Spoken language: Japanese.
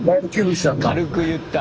軽く言った。